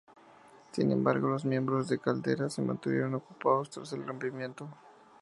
Sin embargo, los miembros de Caldera se mantuvieron ocupados tras el rompimiento.